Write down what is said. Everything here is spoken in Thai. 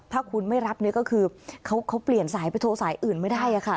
ถ้าคุณไม่รับเนี่ยก็คือเขาเปลี่ยนสายไปโทรสายอื่นไม่ได้ค่ะ